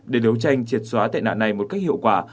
để đấu tranh triệt xóa tệ nạn này một cách hiệu quả